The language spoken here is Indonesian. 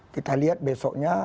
kita lihat besoknya